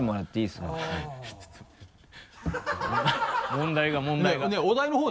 問題問題が問題が。